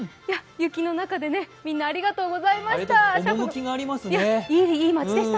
雪の中で、みんなありがとうございました。